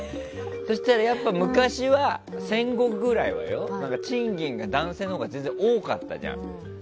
そしたら、やっぱり昔戦後ぐらいは賃金は男性のほうが全然多かったじゃん。